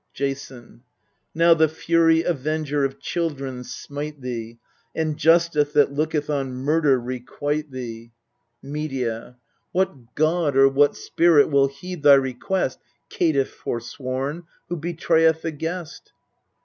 Jason. Now the Fury avenger of children smite thee, And Justice that looketh on murder requite thee! 288 Kl'KIl'IDKS Medea. What god or what spirit will heed thy request, Caitiff forsworn, who betrayest the guest